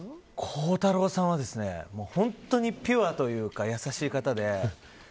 孝太郎さんは本当にピュアというか優しい方で。